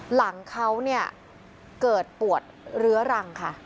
หลังเขาเกิดปวดเหลือรัง